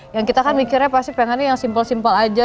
yang kita kan mikirnya pasti pengennya yang simple simple aja